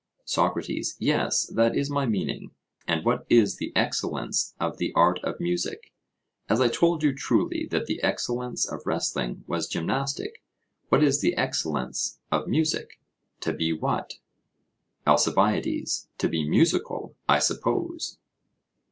SOCRATES: Yes, that is my meaning; and what is the excellence of the art of music, as I told you truly that the excellence of wrestling was gymnastic what is the excellence of music to be what? ALCIBIADES: To be musical, I suppose.